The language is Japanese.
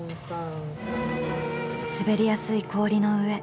滑りやすい氷の上。